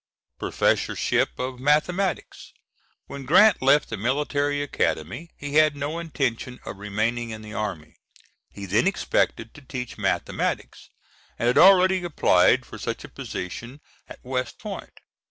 Memoirs. Professorship of mathematics: When Grant left the Military Academy he had no intention of remaining in the army. He then expected to teach mathematics, and had already applied for such a position at West Point.